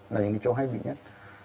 là những chỗ hay bị nhất